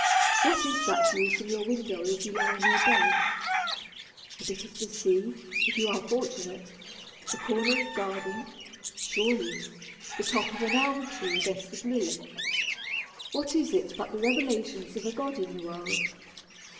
What is that view from your window as you lie in your bed? A bit of the sea, if you are fortunate, a corner of garden, surely, the top of an elm tree against the blue. What is it but the revelations of a God in the world?